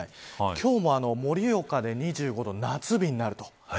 今日も盛岡で２５度夏日になると。